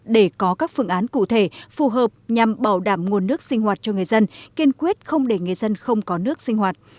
để có các phương án cụ thể phù hợp nhằm bảo đảm nguồn nước sinh hoạt cho người dân kiên quyết không để người dân không có nước sinh hoạt